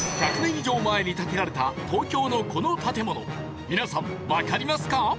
以上前に建てられた東京のこの建物皆さんわかりますか？